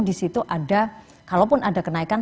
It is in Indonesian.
disitu ada kalau pun ada kenaikan